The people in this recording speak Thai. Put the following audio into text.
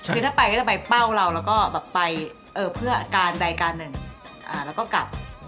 คือถ้าไปก็จะไปเป้าเราแล้วก็แบบไปเพื่อการใดการหนึ่งแล้วก็กลับ